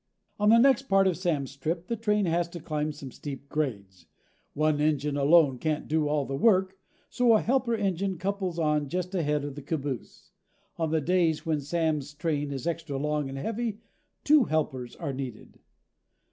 On the next part of Sam's trip, the train has to climb some steep grades. One engine alone can't do all the work, so a helper engine couples on just ahead of the caboose. On the days when Sam's train is extra long and heavy, two helpers are needed.